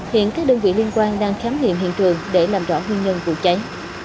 hiện các đơn vị liên quan đang khám nghiệm hiện trường để làm rõ nguyên nhân vụ cháy